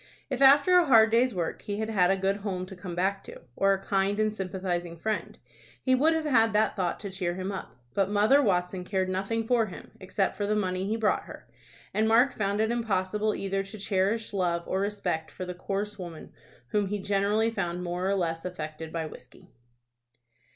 If after a hard day's work he had had a good home to come back to, or a kind and sympathizing friend, he would have had that thought to cheer him up. But Mother Watson cared nothing for him, except for the money he brought her, and Mark found it impossible either to cherish love or respect for the coarse woman whom he generally found more or less affected by whiskey.